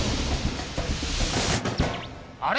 あれ？